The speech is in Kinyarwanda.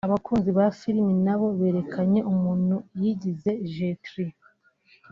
abakunzi ba filime naho berekanye umuntu yigize Jetree